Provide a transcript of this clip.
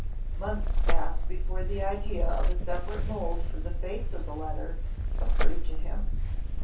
Months passed before the idea of a separate mold for the face of the letter occurred to him.